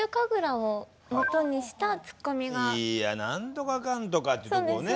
「いや何とかかんとか！」ってとこをね。